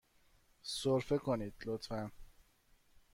سرفه کنید، لطفاً.